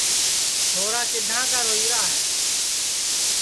چھورا کِدھاں کا روئیرا ہے